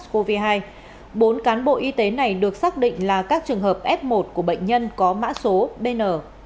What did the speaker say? trước đó vào ngày hai mươi sáu tháng bảy bốn cán bộ y tế này được xác định là các trường hợp f một của bệnh nhân có mã số bn chín mươi tám nghìn bốn trăm chín mươi bốn